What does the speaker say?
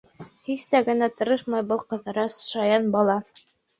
Һис тә генә тырышмай был Ҡыҙырас, шаян бала!